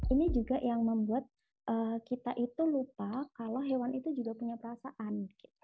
ini juga yang membuat kita itu lupa kalau hewan itu juga punya perasaan